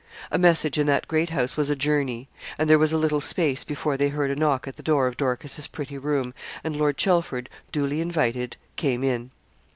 A message in that great house was a journey; and there was a little space before they heard a knock at the door of Dorcas's pretty room, and Lord Chelford, duly invited, came in.